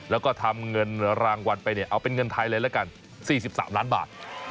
แล้วก็ทำเงินรางวัลไปเนี่ยเอาเป็นเงินไทยเลยละกัน๔๓ล้านบาท